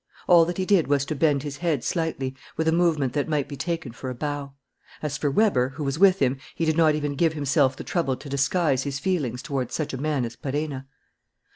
All that he did was to bend his head slightly, with a movement that might be taken for a bow. As for Weber, who was with him, he did not even give himself the trouble to disguise his feelings toward such a man as Perenna.